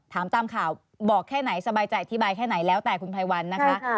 ถามตามข่าวบอกแค่ไหนสบายใจอธิบายแค่ไหนแล้วแต่คุณภัยวันนะคะ